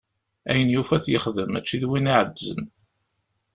Ayen yufa ad t-yexdem, mačči d win iɛeddzen.